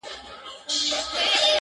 اوس د رقیبانو پېغورونو ته به څه وایو-